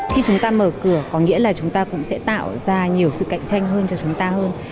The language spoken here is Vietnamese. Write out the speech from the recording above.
khi chúng ta mở cửa có nghĩa là chúng ta cũng sẽ tạo ra nhiều sự cạnh tranh hơn cho chúng ta hơn